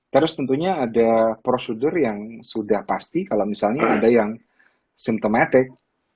terus tentunya ada prosedur yang sudah pasti kalau misalnya ada yang simptomatik